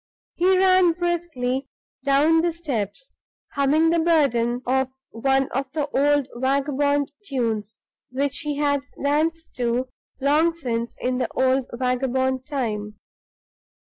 He ran briskly down the steps, humming the burden of one of the old vagabond tunes which he had danced to long since in the old vagabond time.